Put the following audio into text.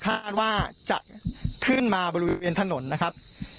คาดว่าจะขึ้นมาบริเวณนี้นะครับ